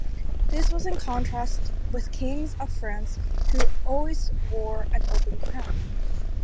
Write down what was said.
This was in contrast with kings of France who always wore an open crown.